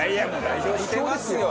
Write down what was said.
代表してますよ！